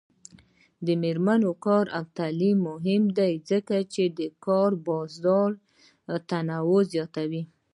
د میرمنو کار او تعلیم مهم دی ځکه چې کار بازار تنوع زیاتوي.